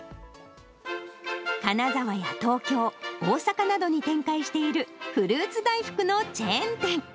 金沢や東京、大阪などに展開している、フルーツ大福のチェーン店。